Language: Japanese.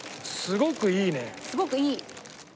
すごくいい？